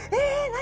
何？